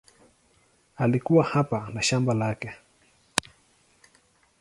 Alikuwa hapa na shamba lake.